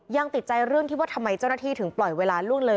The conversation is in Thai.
ยังติดใจเรื่องที่ว่าทำไมเจ้าหน้าที่ถึงปล่อยเวลาล่วงเลย